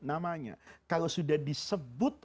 nama nya kalau sudah disebut